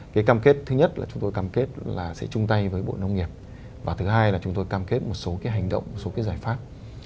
cái cam kết thứ nhất là chúng tôi cam kết là sẽ chung tay với bộ nông nghiệp và thứ hai là chúng tôi cam kết một số cái hành động một số cái giải pháp